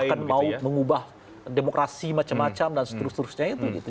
bahkan mau mengubah demokrasi macam macam dan seterus terusnya itu